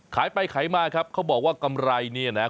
ขายไปขายมาครับเขาบอกว่ากำไรเนี่ยนะ